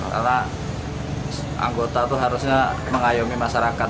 karena anggota tuh harusnya mengayomi masyarakat